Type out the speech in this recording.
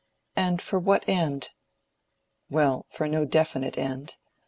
And for what end? Well, for no definite end.